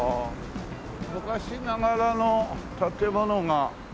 昔ながらの建物が。